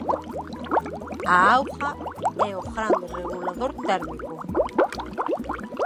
A auga é o grande regulador térmico.